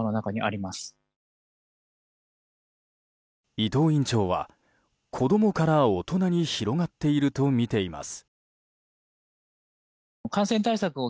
伊藤院長は子供から大人に広がっているとみています。